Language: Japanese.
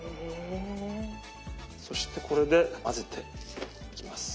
そしてこれで混ぜていきます。